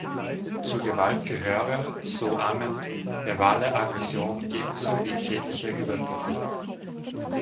Zur Gewalt gehöre, so Amendt, verbale Aggression ebenso wie tätliche Übergriffe.